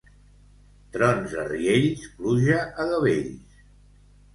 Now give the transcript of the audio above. Trons a Riells, pluja a gavells.